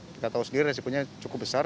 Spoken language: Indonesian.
kita tahu sendiri resikonya cukup besar